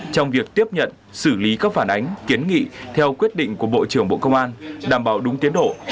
trong việc tiếp nhận xử lý các phản ánh kiến nghị theo quyết định của bộ trưởng bộ công an đảm bảo đúng tiến độ